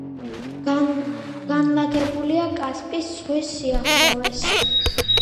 განლაგებულია კასპიის ზღვის სიახლოვეს.